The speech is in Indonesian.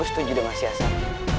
aku setuju dengan siasat